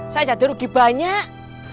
saya jadi rugi banyak